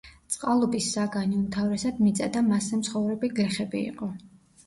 წყალობის საგანი უმთავრესად მიწა და მასზე მცხოვრები გლეხები იყო.